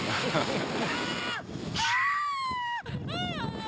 ハハハハ！